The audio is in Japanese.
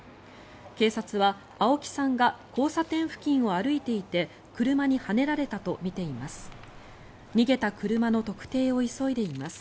警察は青木さんが交差点付近を歩いていて車にはねられたとみています。